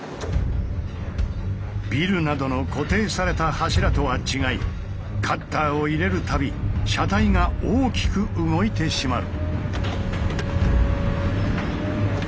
ビルなどの固定された柱とは違いカッターを入れる度車体が大きく動いてしまう。